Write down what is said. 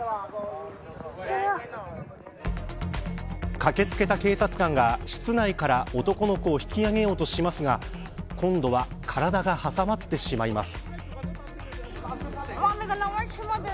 駆けつけた警察官が室内から男の子を引き上げようとしますが今度は体が挟まってしまいます。